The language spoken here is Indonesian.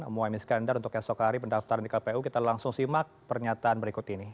mohaimin skandar untuk esok hari pendaftaran di kpu kita langsung simak pernyataan berikut ini